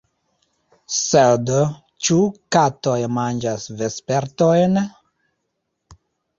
Sed ĉu katoj manĝas vespertojn?